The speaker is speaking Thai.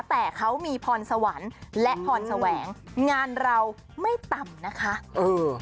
แต่เขามีพรสวรรค์และพรแสวงงานเราไม่ต่ำนะคะเออ